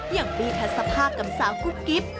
อย่างบี้ทัศภากับสาวกุ๊บกิ๊บ